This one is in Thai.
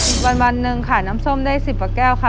อีกวันหนึ่งค่ะน้ำส้มได้๑๐กว่าแก้วค่ะ